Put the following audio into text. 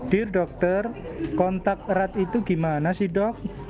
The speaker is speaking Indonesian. dear dokter kontak erat itu gimana sih dok